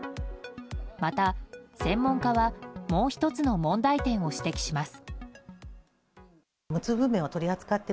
また、専門家はもう１つの問題点を指摘します。